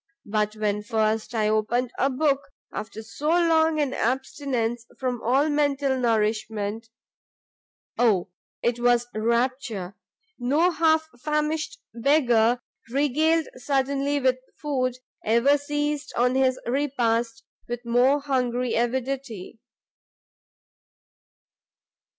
But when first I opened a book, after so long an abstinence from all mental nourishment, Oh it was rapture! no half famished beggar regaled suddenly with food, ever seized on his repast with more hungry avidity."